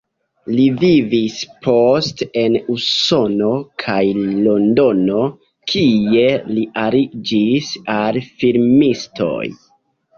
Li vivis poste en Usono kaj Londono, kie li aliĝis al filmistoj.